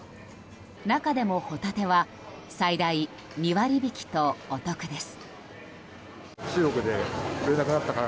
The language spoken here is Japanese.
中でも、ホタテは最大２割引きとお得です。